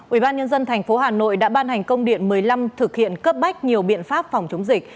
ủy ban nhân dân tp hà nội đã ban hành công điện một mươi năm thực hiện cấp bách nhiều biện pháp phòng chống dịch